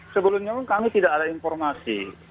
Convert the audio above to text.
sebelumnya pun kami tidak ada informasi